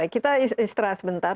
kita istirahat sebentar